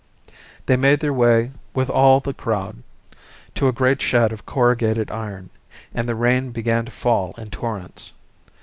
They made their way with all the crowd to a great shed of corrugated iron, and the rain began to fall in torrents.